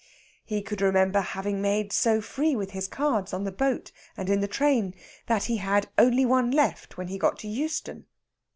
He could remember having made so free with his cards on the boat and in the train that he had only one left when he got to Euston.